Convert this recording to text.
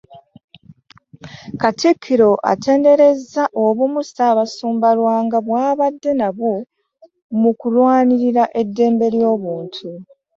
Katikkiro atenderezza obumu Ssaabasumba Lwanga bw'abadde nabwo mu kulwanirira eddembe ly'obuntu.